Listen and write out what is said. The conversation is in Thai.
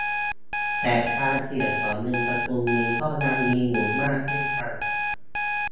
แต่ความเสี่ยงของเงินสกุลนี้ก็ยังมีอยู่มากเช่นกัน